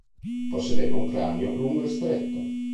Possedeva un cranio lungo e stretto.